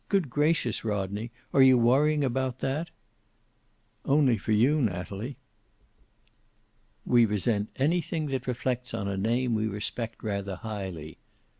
Good gracious, Rodney, are you worrying about that?" "Only for you, Natalie." "We resent anything that reflects on a name we respect rather highly."